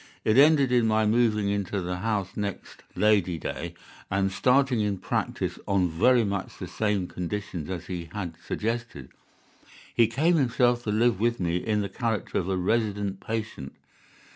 It ended in my moving into the house next Lady Day, and starting in practice on very much the same conditions as he had suggested. He came himself to live with me in the character of a resident patient.